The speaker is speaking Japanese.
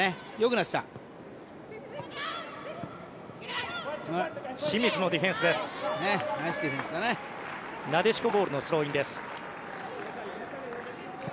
なでしこボールのスローインです。